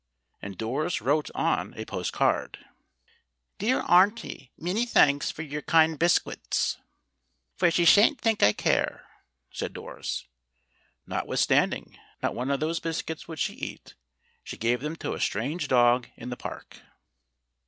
And Doris wrote on a post card: "Dear Arnty, Meny thanks for your kind biskwits." "For she shan't think I care," said Doris. Not withstanding, not one of those biscuits would she eat. She gave them to a strange dog in the park.